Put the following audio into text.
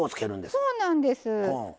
そうなんです。